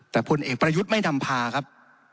แต่พลเอกประยุทธ์ไม่นำพาครับ